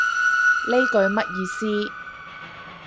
呢句乜意思